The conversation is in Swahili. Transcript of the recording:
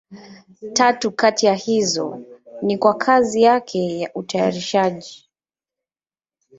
Tatu kati ya hizo ni kwa kazi yake ya utayarishaji.